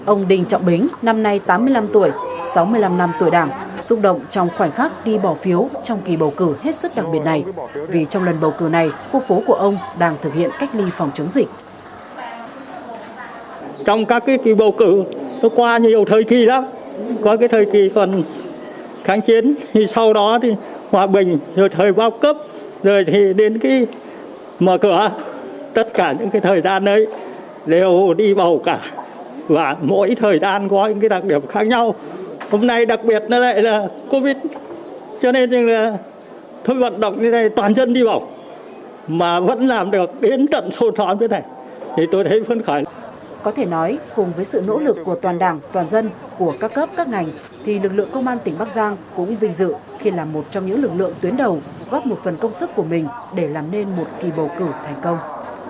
ông đình trọng bến năm nay tám mươi năm tuổi sáu mươi năm năm tuổi sáu mươi năm năm tuổi đảng xúc động trong khoảnh khắc đi bỏ phiếu trong kỳ bầu cử hết sức đặc biệt này vì trong lần bầu cử này quốc phố của ông đang thực hiện cách ly phiếu trong kỳ bầu cử hết sức đặc biệt này vì trong lần bầu cử này quốc phố của ông đang thực hiện cách ly phiếu trong kỳ bầu cử hết sức đặc biệt này vì trong lần bầu cử này quốc phố của ông đang thực hiện cách ly phiếu trong kỳ bầu cử hết sức đặc biệt này vì trong lần bầu cử này quốc phố của ông đang thực hiện cách ly phiếu trong kỳ bầu cử hết sức đặc biệt này vì trong